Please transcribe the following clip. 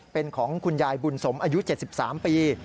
เป็นของคุณยายบุญสมอายุ๗๓ปี